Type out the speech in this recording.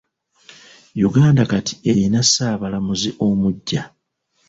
Uganda kati eyina ssaabalamuzi omugya.